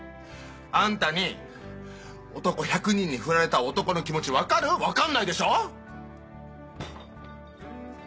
あんたに男１００人にフラれた男の気持ち分かる⁉分かんないでしょ！